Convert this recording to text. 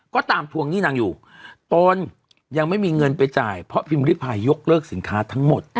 ก็ตามทวงหนี้นางอยู่ตนยังไม่มีเงินไปจ่ายเพราะพิมพ์ริพายยกเลิกสินค้าทั้งหมด